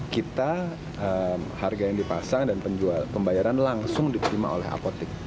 kita harga yang dipasang dan pembayaran langsung di terima oleh apotik